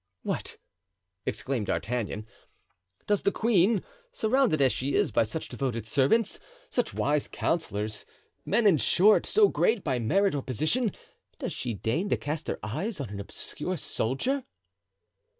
"What!" exclaimed D'Artagnan, "does the queen, surrounded as she is by such devoted servants, such wise counselors, men, in short, so great by merit or position—does she deign to cast her eyes on an obscure soldier?"